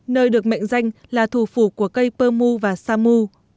nơi được mệnh danh là thủ phủ của cây pơ mu